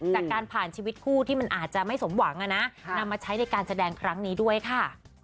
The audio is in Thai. จากการผ่านชีวิตคู่ที่มันอาจจะไม่สมหวังนำมาใช้ในการแสดงครั้งนี้ด้วยค่ะ